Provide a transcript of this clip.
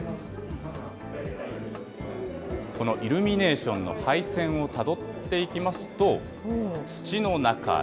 このイルミネーションの配線をたどっていきますと、土の中へ。